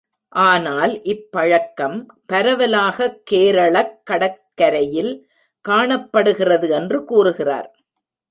ஆனால் இப் பழக்கம் பரவலாகக் கேரளக் கடற்கரையில் காணப் படுகிறது என்று கூறுகிறார்.